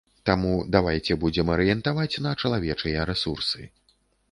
Таму давайце будзем арыентаваць на чалавечыя рэсурсы.